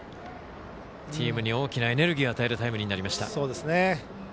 チームに大きなエネルギーを与えるタイムリーでした。